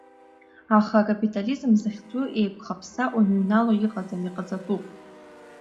Аха акапитализм зыхьӡу еиқәхаԥса уныҩнало иҟаӡам, иҟаҵатәуп.